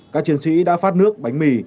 các chiến sĩ đã phát nước bánh mì